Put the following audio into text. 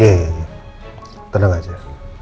iya iya tenang aja